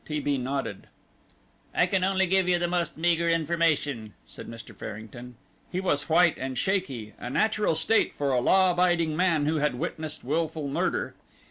T. B. nodded. "I can only give you the most meagre information," said Mr. Farrington. He was white and shaky, a natural state for a law abiding man who had witnessed wilful murder.